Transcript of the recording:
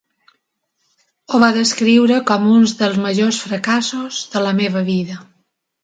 Ho va descriure com un dels majors fracassos de la meva vida...